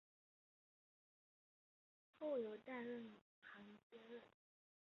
后由戴仁行接任。